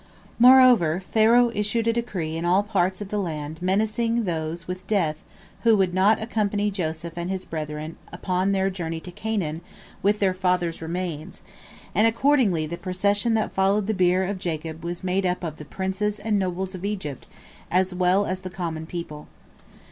Moreover, Pharaoh issued a decree in all parts of the land menacing those with death who would not accompany Joseph and his brethren upon their journey to Canaan with their father's remains, and accordingly the procession that followed the bier of Jacob was made up of the princes and nobles of Egypt as well as the common people.